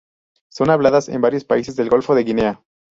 Son habladas en varios países del Golfo de Guinea.